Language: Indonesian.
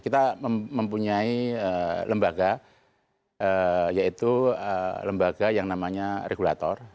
kita mempunyai lembaga yaitu lembaga yang namanya regulator